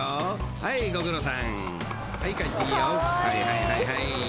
はいはいはいはい］